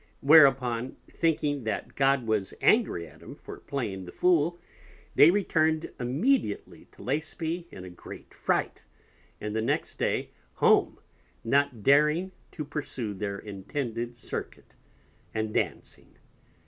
Whereupon thinking that God was angry at 'em for playing the Fool, they return'd immediately to Laceby in a great Fright, and the next Day home, not daring to pursue their intended Circuit and Dancing.